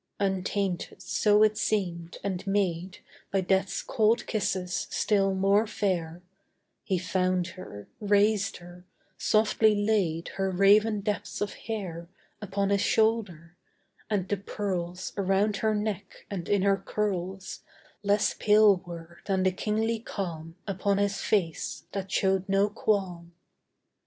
Untainted, so it seemed, and made By death's cold kisses still more fair, He found her; raised her; softly laid Her raven depths of hair Upon his shoulder: and the pearls, Around her neck and in her curls, Less pale were than the kingly calm Upon his face that showed no qualm.